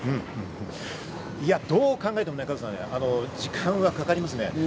どう考えても時間はかかりますね。